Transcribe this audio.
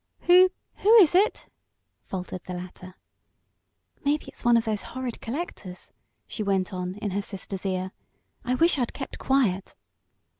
"Who who is it?" faltered the latter. "Maybe it's one of those horrid collectors," she went on, in her sister's ear. "I wish I'd kept quiet."